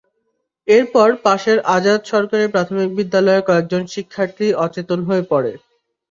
এরপর পাশের আজাদ সরকারি প্রাথমিক বিদ্যালয়ের কয়েকজন শিক্ষার্থী অচেতন হয়ে পড়ে।